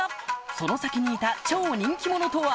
その先にいた超人気者とは？